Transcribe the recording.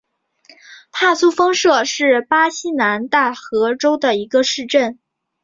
帕苏丰杜是巴西南大河州的一个市镇。